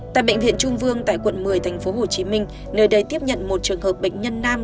tại bệnh viện trung vương tại quận một mươi tp hcm nơi đây tiếp nhận một trường hợp bệnh nhân nam